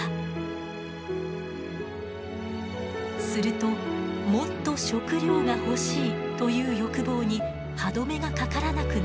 するともっと食料が欲しいという欲望に歯止めがかからなくなりました。